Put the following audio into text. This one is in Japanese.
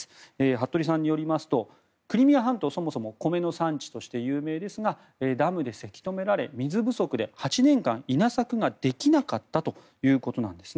服部さんによりますとクリミア半島は、そもそも米の産地として有名ですがダムでせき止められ水不足で８年間、稲作ができなかったということです。